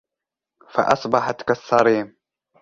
فَأَصْبَحَتْ كَالصَّرِيمِ